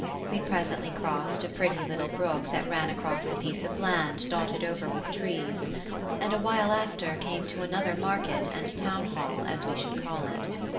We presently crossed a pretty little brook that ran across a piece of land dotted over with trees, and awhile after came to another market and town hall, as we should call it.